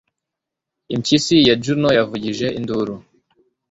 Impyisi ya Juno yavugije induru